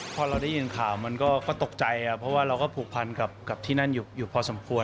พอเราได้ยินข่าวมันก็ตกใจเพราะว่าเราก็ผูกพันกับที่นั่นอยู่พอสมควร